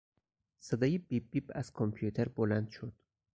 صدای بیب بیب از کامپیوتر بلند شد.